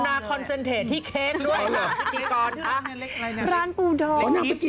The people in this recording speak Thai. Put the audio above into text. การุนาคอนเซ็นเทศที่เค้กด้วยครับพิธีกร